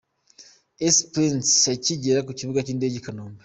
Ice Prince akigera ku kibuga cy'indege i Kanombe.